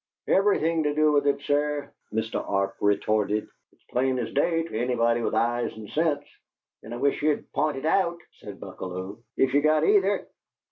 "Everything to do with it, sir," Mr. Arp retorted. "It's plain as day to anybody with eyes and sense." "Then I wish you'd p'int it out," said Buckalew, "if you've got either."